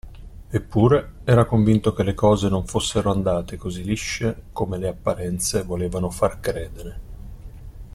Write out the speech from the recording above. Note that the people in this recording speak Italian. Eppure, era convinto che le cose non fossero andate così lisce come le apparenze volevano far credere.